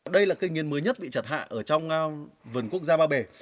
đây là cây nghiến mới nhất bị chặt hạ ở trong vườn quốc gia ba bể